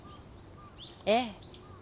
ええ。